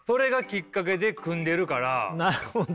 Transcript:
なるほど。